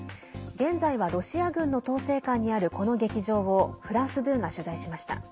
現在はロシア軍の統制下にあるこの劇場をフランス２が取材しました。